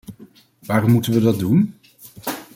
Waarom moeten we dat doen?